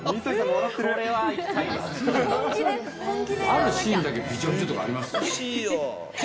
あるシーンだけ、びちょびちょとかありますよ。